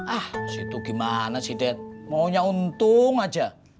ah itu gimana sih det maunya untung aja